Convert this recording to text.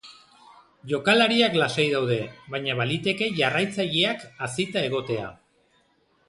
Jokalariak lasai daude, baina baliteke jarraitzaileak hazita egotea.